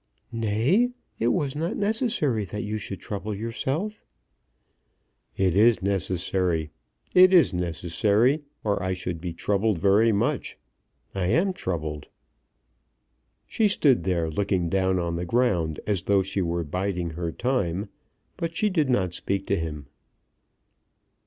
"Nay; it was not necessary that you should trouble yourself." "It is necessary; it is necessary; or I should be troubled very much. I am troubled." She stood there looking down on the ground as though she were biding her time, but she did not speak to him.